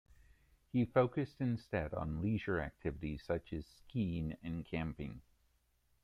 He focused instead on leisure activities such as skiing and camping.